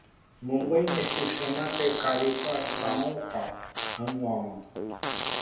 मुंबई में शिवसेना के कार्यकर्ताओं का हंगामा